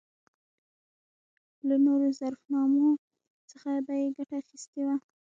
له نورو ظفرنامو څخه به یې ګټه اخیستې وي.